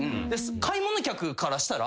買い物客からしたら。